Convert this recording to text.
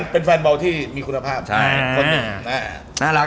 เป็นแฟนบอลที่มีคุณภาพ